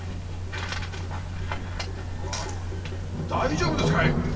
大丈夫ですかい？